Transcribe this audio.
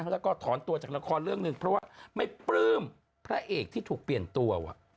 แล้วก็ถอนตัวจากละครเรื่องหนึ่งเพราะว่าไม่ปลื้มพระเอกที่ถูกเปลี่ยนตัว